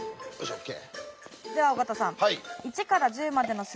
ＯＫ。